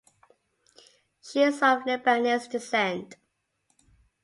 She is of Lebanese descent.